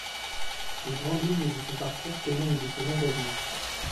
Les grandes lignes de son parcours témoignent de son engagement.